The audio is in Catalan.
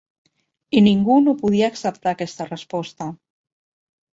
I ningú no podia acceptar aquesta resposta.